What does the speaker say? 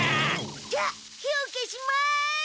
じゃ火を消します！